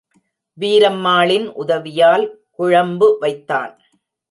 வீரம்மாளின் உதவியால் குழம்பு வைத்தான்.